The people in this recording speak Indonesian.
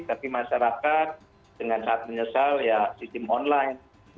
tapi masyarakat dengan saat menyesal ya sistem online